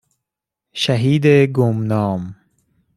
شهید گمنام